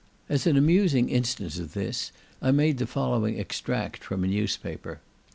As an amusing instance of this, I made the following extract from a newspaper.